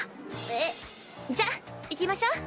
えっ？じゃあ行きましょう。